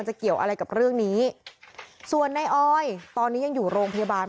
เกี่ยวอะไรกับเรื่องนี้ส่วนในออยตอนนี้ยังอยู่โรงพยาบาล